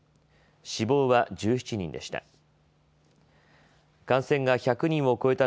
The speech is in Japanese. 死亡は１７人でした。